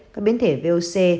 các biến thể voc